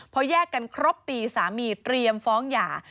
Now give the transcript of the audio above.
พอแยกกันครบปีสามีเตรียมฟ้องหย่า